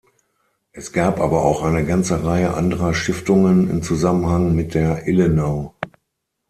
Es gab aber auch eine ganze Reihe anderer Stiftungen in Zusammenhang mit der Illenau.